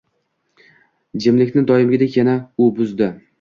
Jimlikni doimgidek yana u buzdi